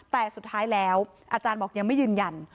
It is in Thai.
แต่สุดท้ายแล้วอาจารย์บอกยังไม่ยืนยัน